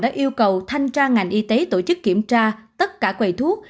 đã yêu cầu thanh tra ngành y tế tổ chức kiểm tra tất cả quầy thuốc